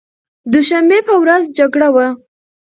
دوشنبې په ورځ جګړه وه.